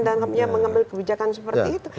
dan mengambil kebijakan seperti itu